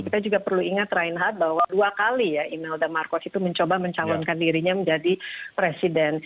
kita juga perlu ingat reinhardt bahwa dua kali ya imelda marcos itu mencoba mencalonkan dirinya menjadi presiden